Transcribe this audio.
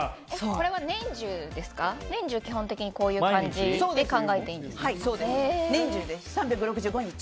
これは年中、基本的にこういう感じで考えていいんですか？